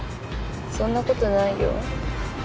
そんなことないよ。